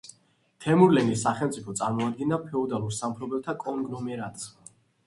თემურლენგის სახელმწიფო წარმოადგენდა ფეოდალურ სამფლობელოთა კონგლომერატს.